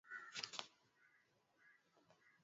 kuwa hatua ambayo wakati wa saddam hussein hatukuwa